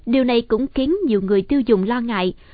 điều này cũng khiến nhiều người tiêu dùng lo ngại